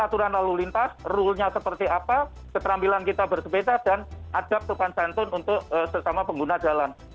aturan lalu lintas rule nya seperti apa keterampilan kita bersepeda dan ada perubahan santun untuk sesama pengguna jalan